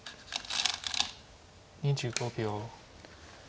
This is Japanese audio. ２５秒。